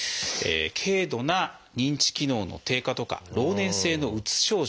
軽度な認知機能の低下とか老年性のうつ症状